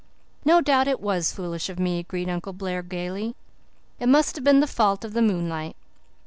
No doubt it was foolish of me," agreed Uncle Blair gaily. "It must have been the fault, of the moonlight.